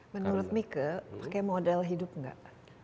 menurut mieke pakai model hidup enggak